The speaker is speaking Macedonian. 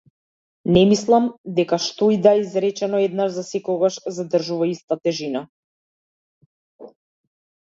Не мислам дека што и да е изречено еднаш за секогаш задржува иста тежина.